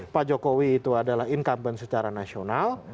pak jokowi itu adalah incumbent secara nasional